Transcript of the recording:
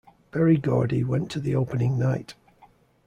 Berry Gordy went to the opening night.